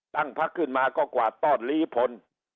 ตั้งพักขึ้นมาก็กวาดต้อนลีพล